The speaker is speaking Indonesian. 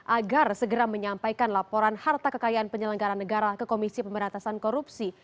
agar segera menyampaikan laporan harta kekayaan penyelenggara negara ke komisi pemberantasan korupsi